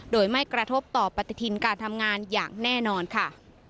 โดยไม่กระทบต่อปฏิทินการทำงานอย่างแน่นอนค่ะ